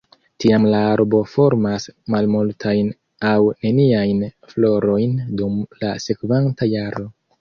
Tiam la arbo formas malmultajn aŭ neniajn florojn dum la sekvanta jaro.